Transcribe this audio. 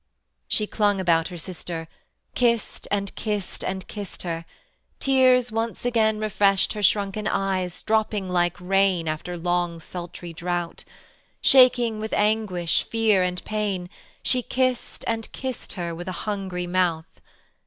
She clung about her sister, Kissed and kissed and kissed her: Tears once again Refreshed her shrunken eyes, Dropping like rain After long sultry drouth; Shaking with aguish fear, and pain, She kissed and kissed her with a hungry mouth.